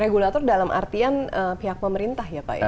regulator dalam artian pihak pemerintah ini ya pak